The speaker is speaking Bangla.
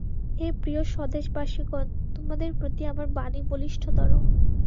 হে প্রিয় স্বদেশবাসিগণ! তোমাদের প্রতি আমার বাণী বলিষ্ঠতর।